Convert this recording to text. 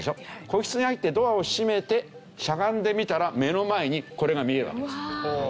個室に入ってドアを閉めてしゃがんでみたら目の前にこれが見えるわけです。